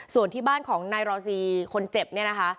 ส่วนที่บ้านของนายรอซีคนเจ็บเนี่ยนะคะ